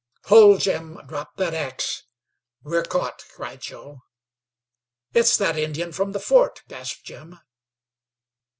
"Hold, Jim! Drop that ax! We're caught!" cried Joe. "It's that Indian from the fort!" gasped Jim.